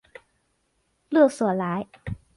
勒索莱。